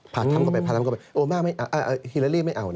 พาทั้งกลับไปพาทั้งกลับไปโอ้ไม่เอาฮิลาลี่ไม่เอา